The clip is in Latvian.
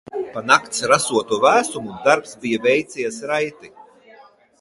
Pa nakts rasoto vēsumu darbs bija veicies raiti.